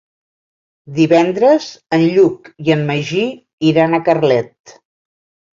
Divendres en Lluc i en Magí iran a Carlet.